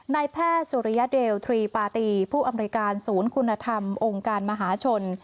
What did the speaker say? นายแพทย์สุริยเดลทรีปาตีผู้อำนวยการศูนย์คุณธรรมองค์การมหาชน